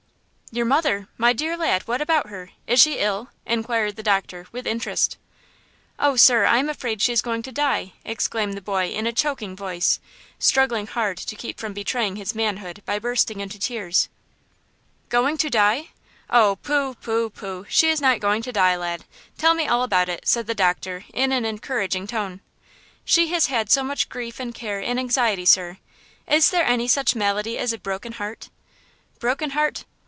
"Your mother! My dear lad, what about her? Is she ill?" inquired the doctor, with interest. "Oh, sir, I am afraid she is going to die?" exclaimed the boy in a choking voice, struggling hard to keep from betraying his manhood by bursting into tears. "Going to die! Oh, pooh, pooh, pooh! she is not going to die, lad. Tell me all about it," said the doctor in an encouraging tone. "She has had so much grief and care and anxiety, sir–doctor, is there any such malady as a broken heart?" "Broken heart?